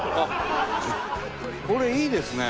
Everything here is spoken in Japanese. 「これいいですね」